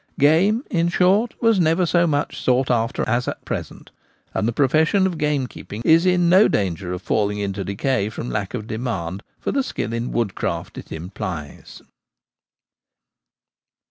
Game, in short, was never so much sought after as at present ; and the profession of gamekeeping is in no danger of falling into decay from lack of demand for the skill in woodcraft it implies.